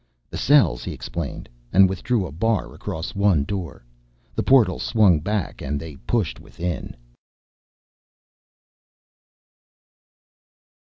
"The cells," he explained, and withdrew a bar across one door. The portal swung back and they pushed within.